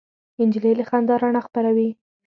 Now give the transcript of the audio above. نجلۍ له خندا رڼا خپروي.